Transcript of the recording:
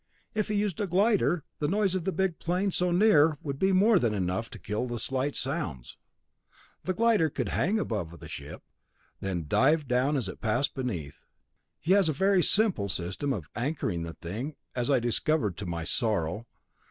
If he used a glider, the noise of the big plane so near would be more than enough to kill the slight sounds. The glider could hang above the ship, then dive down upon it as it passed beneath. He has a very simple system of anchoring the thing, as I discovered to my sorrow.